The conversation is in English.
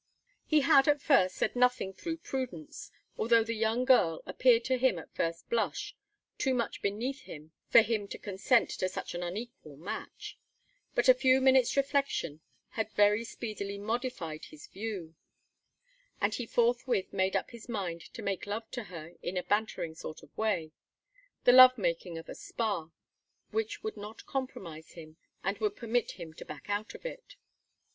He had, at first, said nothing through prudence, although the young girl appeared to him, at first blush, too much beneath him for him to consent to such an unequal match. But a few minutes' reflection had very speedily modified his view; and he forthwith made up his mind to make love to her in a bantering sort of way the love making of a spa which would not compromise him, and would permit him to back out of it.